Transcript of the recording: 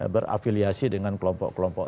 berafiliasi dengan kelompok kelompok